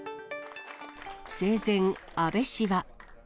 生前、安倍氏は。